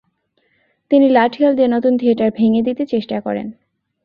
তিনি লাঠিয়াল দিয়ে নতুন থিয়েটার ভেঙ্গে দিতে চেষ্টা করেন।